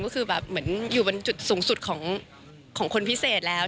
ก็คือแบบเหมือนอยู่บนจุดสูงสุดของคนพิเศษแล้ว